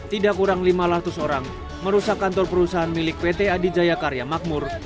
tidak kurang lima ratus orang merusak kantor perusahaan milik pt adijaya karya makmur